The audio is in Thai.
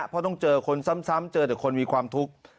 เพราะต้องเจอคนซ้ำเจอแต่คนมีความทุกข์